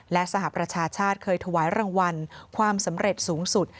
และสหประชาชาติเคยถวายรางวัลความสำเร็จสูงสุด